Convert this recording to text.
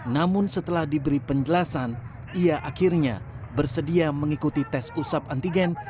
namun setelah diberi penjelasan ia akhirnya bersedia mengikuti tes usap antigen